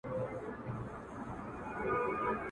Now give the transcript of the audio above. اور دي په کلي مرګ دي په خونه !.